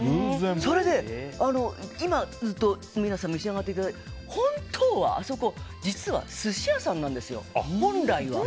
それで、いまずっと皆さん召し上がっていただいた本当はあそこ、実は寿司屋さんなんですよ、本来は。